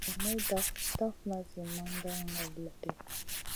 Nay ma daf dafna zi mandan ŋol lo ɗi.